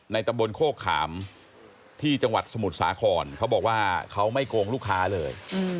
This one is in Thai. ตำบลโคกขามที่จังหวัดสมุทรสาครเขาบอกว่าเขาไม่โกงลูกค้าเลย